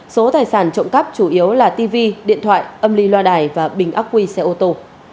số tài sản trộm cắp chủ yếu là tv điện thoại âm ly loa đài và bình ác quy xe ô tô